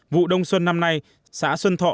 vụ đông xuân năm nay xã xuân thọ